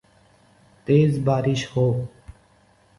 تیز بارش ہو